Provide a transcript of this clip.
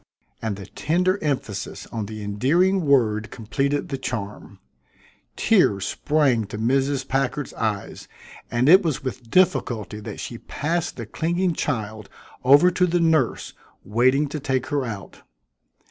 and the tender emphasis on the endearing word completed the charm. Tears sprang to Mrs. Packard's eyes, and it was with difficulty that she passed the clinging child over to the nurse waiting to take her out.